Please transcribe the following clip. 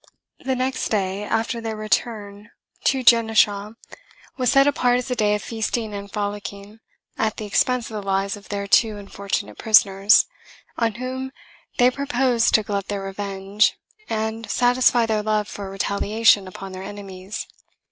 The next day after their return to Genishau, was set apart as a day of feasting and frolicing, at the expence of the lives of their two unfortunate prisoners, on whom they purposed to glut their revenge, and satisfy their love for retaliation upon their enemies.